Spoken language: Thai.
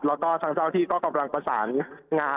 แล้วก็ทางเจ้าที่ก็กำลังประสานงาน